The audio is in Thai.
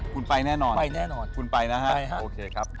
คุณไปแน่นอนคุณไปนะฮะโอเคครับ